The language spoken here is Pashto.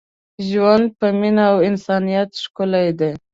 ژوند په مینه او انسانیت ښکلی دی.